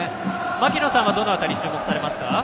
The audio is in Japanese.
槙野さんはどの辺りに注目されますか？